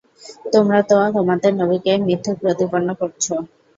তোমরা তো তোমাদের নবীকে মিথুক প্রতিপন্ন করছ।